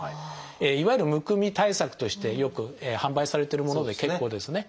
いわゆるむくみ対策としてよく販売されてるもので結構ですね。